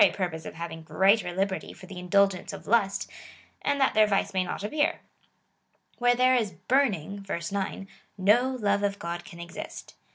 purpose of having greater liberty for the indulgence of lust, and that their vice may not appear. Where there is burning, (verse 9,) no love of God can exist.